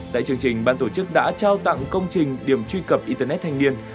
tại chương trình ban tổ chức đã trao tặng công trình điểm truy cập internet thanh niên